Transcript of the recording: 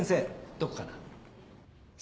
どこかな？